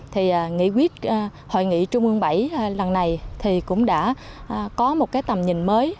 thì nghị quyết hội nghị trung ương bảy lần này thì cũng đã có một cái tầm nhìn mới